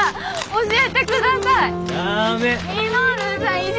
教えてください。だめ。